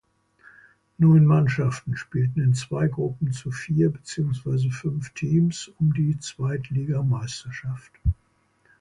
Neun Mannschaften spielten in zwei Gruppen zu vier beziehungsweise fünf Teams um die Zweitligameisterschaft.